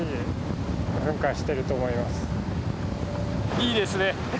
いいですね。